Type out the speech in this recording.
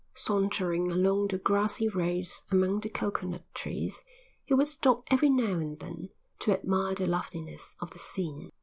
Sauntering along the grassy roads among the coconut trees he would stop every now and then to admire the loveliness of the scene.